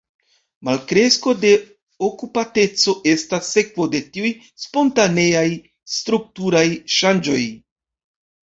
Malkresko de okupateco estas sekvo de tiuj spontaneaj strukturaj ŝanĝoj.